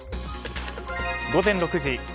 午前６時。